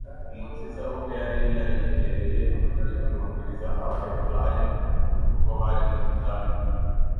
Umukiza ubwe yari yarihereye amategeko n'amabwiriza Abaheburayo ubwo bari mu butayu;